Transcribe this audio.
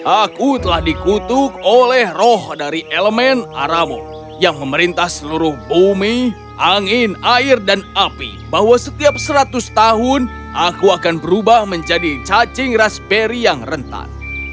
aku telah dikutuk oleh roh dari elemen aramu yang memerintah seluruh bumi angin air dan api bahwa setiap seratus tahun aku akan berubah menjadi cacing raspberry yang rentan